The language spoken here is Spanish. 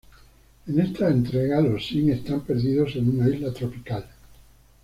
En esta entrega, los sims están perdidos en una isla tropical.